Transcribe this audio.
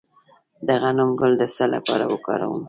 د غنم ګل د څه لپاره وکاروم؟